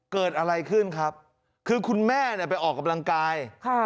เกิดอะไรขึ้นครับคือคุณแม่เนี่ยไปออกกำลังกายค่ะ